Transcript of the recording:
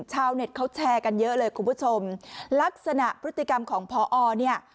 ชาวเน็ตเขาแชร์กันเยอะเลยคุณผู้ชมลักษณะพฤติกรรมของพอเนี่ย